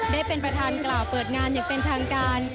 ได้เป็นประธานกล่าวเปิดงานอย่างเป็นทางการ